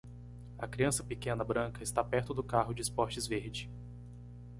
A criança pequena branca está perto do carro de esportes verde.